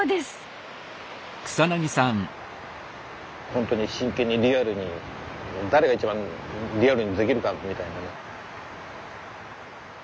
本当に真剣にリアルに誰が一番リアルにできるかみたいなね。